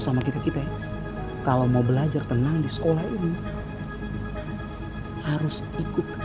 saat yang kayak gini ona bisa muat pada musuh